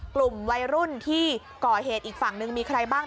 กลุ่มวัยรุ่นที่ก่อเหตุอีกฝั่งนึงมีใครบ้าง